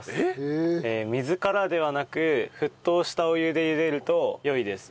水からではなく沸騰したお湯で茹でると良いです。